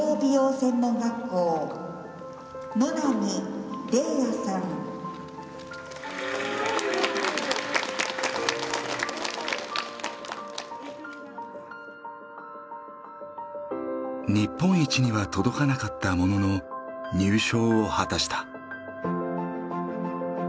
専門学校日本一には届かなかったものの入賞を果たした。